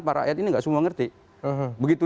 para rakyat ini tidak semua mengerti begitu